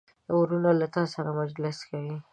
ورور له تا سره مجلس کوي.